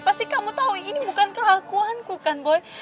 pasti kamu tahu ini bukan keraguanku kan boy